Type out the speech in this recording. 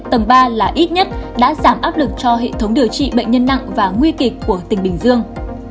tầng ba là ít nhất đã giảm áp lực cho hệ thống điều trị bệnh nhân nặng và nguy kịch của tỉnh bình dương